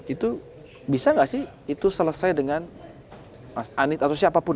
itu bisa nggak sih itu selesai dengan mas anies atau siapapun